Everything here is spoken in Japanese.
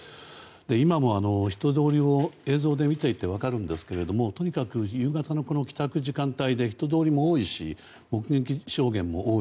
今も、人通りを映像で見ていて分かるんですけどもとにかく夕方の帰宅時間帯で人通りも多いし目撃証言も多い。